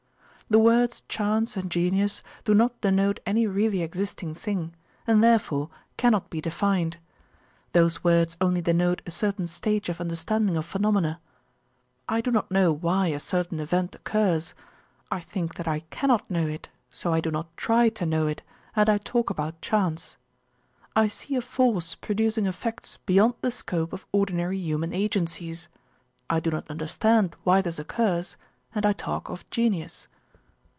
The words chance and genius do not denote any really existing thing and therefore cannot be defined. Those words only denote a certain stage of understanding of phenomena. I do not know why a certain event occurs; I think that I cannot know it; so I do not try to know it and I talk about chance. I see a force producing effects beyond the scope of ordinary human agencies; I do not understand why this occurs and I talk of genius.